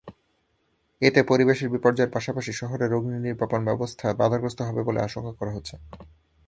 এতে পরিবেশ বিপর্যয়ের পাশাপাশি শহরের অগ্নিনির্বাপণ-ব্যবস্থা বাধাগ্রস্ত হবে বলে আশঙ্কা করা হচ্ছে।